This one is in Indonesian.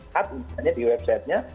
kad misalnya di websitenya